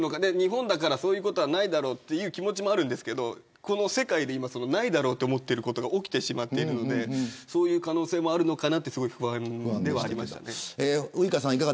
日本だから、そういうことはないだろうという気持ちもありますが世界で、ないだろうと思っていることが起きているのでそういう可能性もあるのかなとすごい不安ではありました。